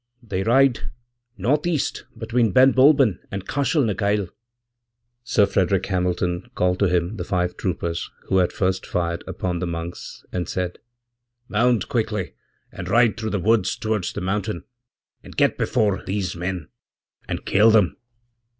They ridenorth east between Ben Bulben and Cashel na Gael.'Sir Frederick Hamilton called to him the five troopers who had firstfired upon the monks and said, 'Mount quickly, and ride through thewoods towards the mountain, and get before these men, and kill them.'